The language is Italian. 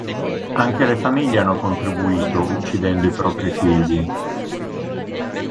Anche le famiglie hanno contribuito uccidendo i propri figli.